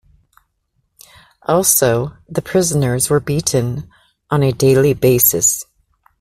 Also, the prisoners were beaten on a daily basis.